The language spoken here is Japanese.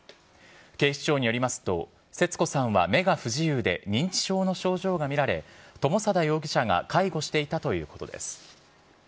警視庁によりますと、節子さんは目が不自由で、認知症の症状が見られ、友貞容疑者が介護していたということです。